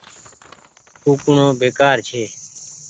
ڪوُڪڻو بيڪآر ڇي۔